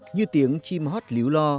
như tiếng chim hót líu lo